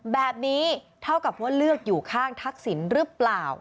แบบนี้เท่ากับว่าเลือกอยู่ข้างทักษิณหรือเปล่า